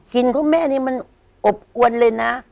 กลิ่นของแม่นี่มันอบกวนเลยนะ